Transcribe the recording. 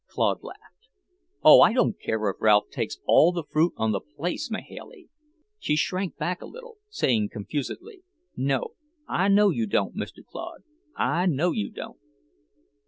Claude laughed. "Oh, I don't care if Ralph takes all the fruit on the place, Mahailey!" She shrank back a little, saying confusedly, "No, I know you don't, Mr. Claude. I know you don't."